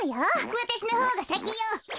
わたしのほうがさきよ！